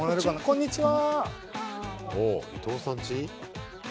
こんにちは。